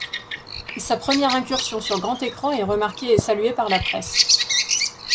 Sa première incursion sur grand écran est remarquée et saluée par la presse.